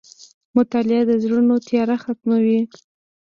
• مطالعه د زړونو تیاره ختموي.